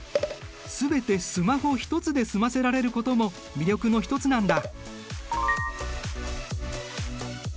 全てスマホ一つで済ませられることも魅力の一つなんだ。